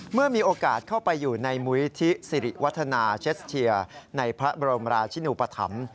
เมื่อมีโอกาสเข้าไปอยู่ในมุยธิสิริวัฒนาเชสเทียในพระบรมราชินูปธรรม